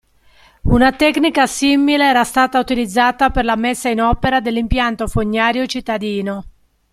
Una tecnica simile era stata utilizzata per la messa in opera dell'impianto fognario cittadino.